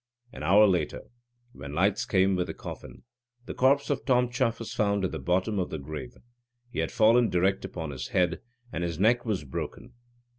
An hour later, when lights came with the coffin, the corpse of Tom Chuff was found at the bottom of the grave. He had fallen direct upon his head, and his neck was broken.